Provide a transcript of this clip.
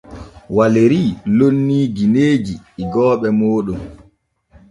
Waleeri lonnii gineeji igooɓe mooɗon.